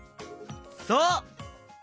そう！